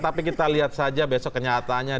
tapi kita lihat saja besok kenyataannya